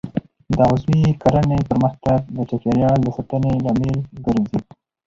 د عضوي کرنې پرمختګ د چاپیریال د ساتنې لامل ګرځي.